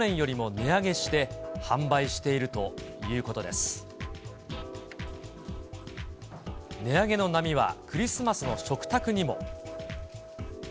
値上げの波はクリスマスの食卓にも。